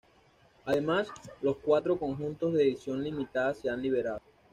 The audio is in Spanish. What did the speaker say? Además, los cuatro conjuntos de edición limitada se han liberado.